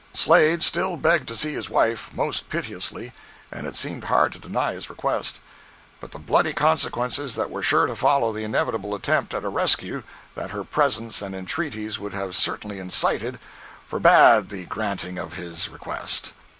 Slade still begged to see his wife, most piteously, and it seemed hard to deny his request; but the bloody consequences that were sure to follow the inevitable attempt at a rescue, that her presence and entreaties would have certainly incited, forbade the granting of his request.